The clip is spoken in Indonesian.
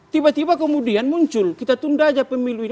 tiba tiba kemudian muncul kita tunda aja pemilu ini